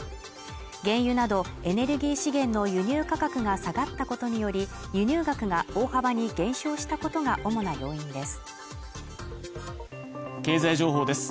原油などエネルギー資源の輸入価格が下がったことにより輸入額が大幅に減少したことが主な要因です